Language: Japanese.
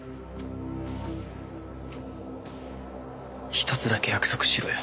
一つだけ約束しろよ。